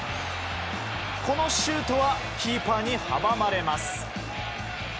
このシュートはキーパーに阻まれます。